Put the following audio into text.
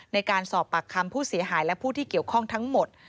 ในการสอบปากคำผู้เสียหายและผู้ที่เกี่ยวข้องทั้งหมด